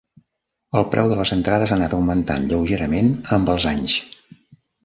El preu de les entrades ha anat augmentant lleugerament amb els anys.